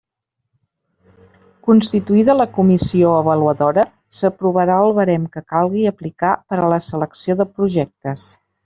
Constituïda la Comissió Avaluadora, s'aprovarà el barem que calga aplicar per a la selecció de projectes.